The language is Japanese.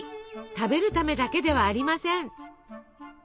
食べるためだけではありません。